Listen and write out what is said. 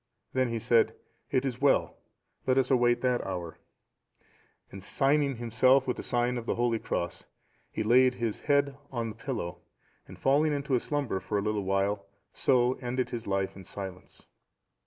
Then he said, "It is well, let us await that hour;" and signing himself with the sign of the Holy Cross, he laid his head on the pillow, and falling into a slumber for a little while, so ended his life in silence.